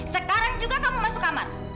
sekarang juga kamu masuk kamar